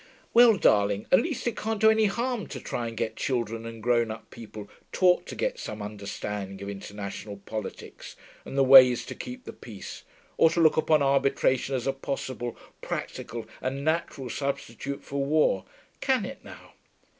Well, darling, at least it can't do any harm to try and get children and grown up people taught to get some understanding of international politics and the ways to keep the peace, or to look upon arbitration as a possible, practical, and natural substitute for war can it, now?